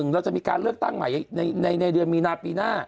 เราจะมีการเลือกตั้งใหม่ในเดือนมีนาปีหน้า